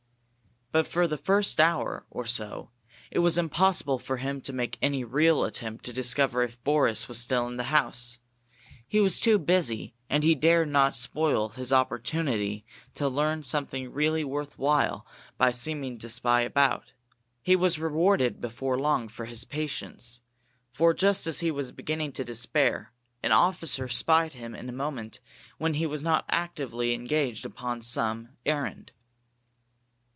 But for the first hour or so it was impossible for him to make any attempt to discover if Boris was still in the house. He was too busy, and he dared not spoil his opportunity to learn something really worth while by seeming to spy about. He was rewarded before long for his patience, for just as he was beginning to despair, an officer spied him in a moment when he was not actively engaged upon some errand.